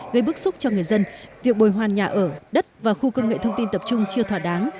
gây bức xúc cho người dân việc bồi hoàn nhà ở đất và khu công nghệ thông tin tập trung chưa thỏa đáng